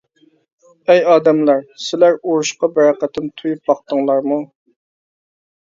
ئەي ئادەملەر، سىلەر ئۇرۇشقا بىرەر قېتىم تويۇپ باقتىڭلارمۇ ؟!